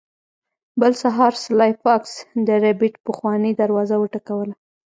بل سهار سلای فاکس د ربیټ پخوانۍ دروازه وټکوله